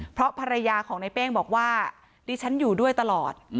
เพราะภรรยาของในเป้งบอกว่าดิฉันอยู่ด้วยตลอด